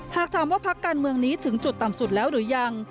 หากถามว่าพักการเมืองนี้ถึงจุดต่ำสุดแล้วหรือยัง